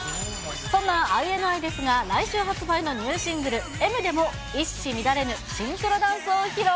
そんなＩＮＩですが、来週発売のニューシングル、Ｍでも一糸乱れぬシンクロダンスを披露。